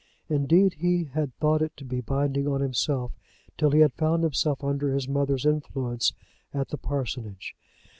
Indeed he had thought it to be binding on himself till he had found himself under his mother's influence at the parsonage.